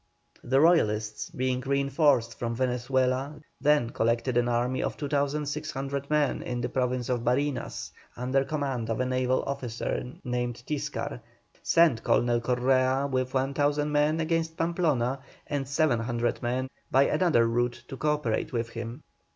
The Royalists, being reinforced from Venezuela, then collected an army of 2,600 men in the Province of Barinas, under command of a naval officer named Tiscar, sent Colonel Correa with 1,000 men against Pamplona, and 700 men by another route to co operate with him.